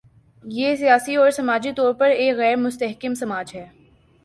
یہ سیاسی اور سماجی طور پر ایک غیر مستحکم سماج ہے۔